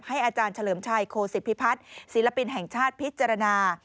อาจารย์เฉลิมชัยโคศิพิพัฒน์ศิลปินแห่งชาติพิจารณา